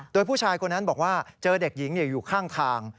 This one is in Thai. โดยผู้ชายคนนั้นบอกว่าเจอเด็กหญิงอยู่ข้างทาง